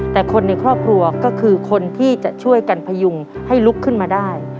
แต่คนในครอบครัวก็คือคนที่จะช่วยกันพยุงให้ลุกขึ้นมาได้